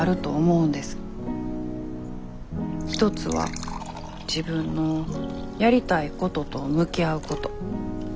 一つは「自分のやりたいことと向き合うこと」。